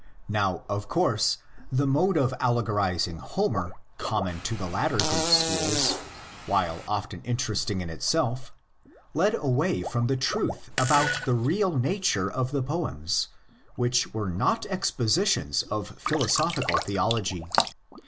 Now, of course, the mode of allegorising Homer common to the leter Greek schools, while often interesting in itself, ted away from the truth about the real nature of the poems, which were not exposi tions of philosophical theology.